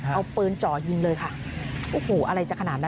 เอาปืนจ่อยิงเลยค่ะโอ้โหอะไรจะขนาดนั้น